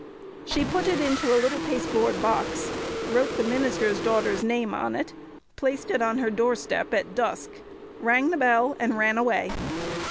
She put it into a little pasteboard box, wrote the minister's daughter's name on it, placed it on her doorstep at dusk, rang the bell, and ran away.